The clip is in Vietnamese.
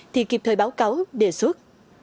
thì kịp thời báo cáo đề xuất